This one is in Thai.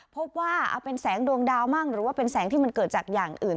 พบว่าเอาเป็นแสงดวงดาวมั่งหรือว่าเป็นแสงที่มันเกิดจากอย่างอื่น